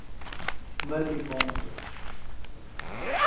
Maribondo